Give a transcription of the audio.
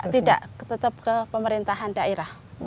tidak tetap ke pemerintahan daerah